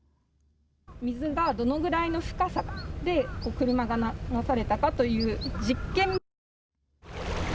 水がどのくらいの深さで車が流されたかという実験。